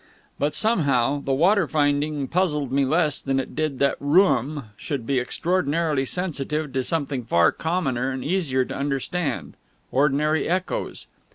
But, somehow, the water finding puzzled me less than it did that Rooum should be extraordinarily sensitive to something far commoner and easier to understand ordinary echoes.